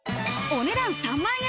お値段３万円。